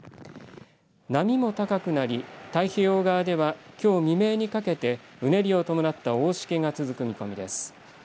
波も高くなり太平洋側ではきょう未明にかけてうねりを伴った大しけが続く見込みです。